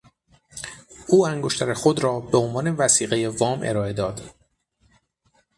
او انگشتر خود را به عنوان وثیقهی وام ارائه داد.